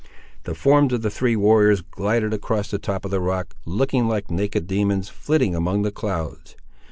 The forms of three other warriors glided across the top of the rock, looking like naked demons flitting among the clouds.